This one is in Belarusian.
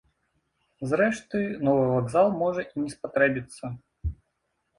Зрэшты, новы вакзал можа і не спатрэбіцца.